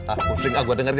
ah publik ah gue dengerin